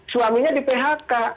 suaminya di phk